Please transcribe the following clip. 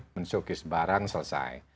men shokies barang selesai